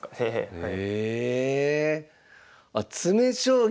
はい。